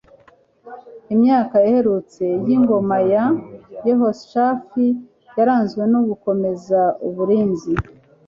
Imyaka yaherutse yingoma ya Yehoshafati yaranzwe no gukomeza uburinzi